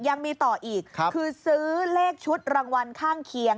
ยังมีต่ออีกคือซื้อเลขชุดรางวัลข้างเคียง